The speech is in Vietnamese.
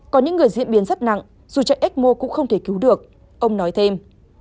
có những người diễn biến rất nặng dù chạy ecmo cũng không thể cứu được ông nói thêm